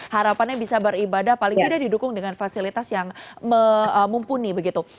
harapannya bisa beribadah paling tidak didukung dengan fasilitas yang mumpuni begitu